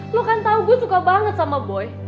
lo kan tahu gue suka banget sama boy